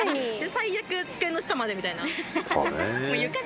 最悪机の下までみたいな。